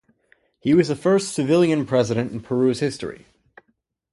He was the first civilian President in Peru's history.